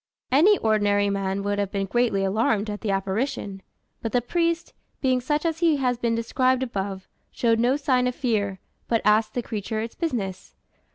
Any ordinary man would have been greatly alarmed at the apparition; but the priest, being such as he has been described above, showed no sign of fear, but asked the creature its business.